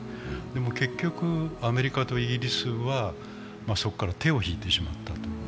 結局アメリカとイギリスはそこから手を引いてしまった。